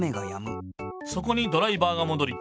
そこにドライバーがもどり。